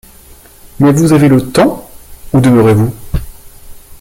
Mais vous avez le temps... — Où demeurez-vous?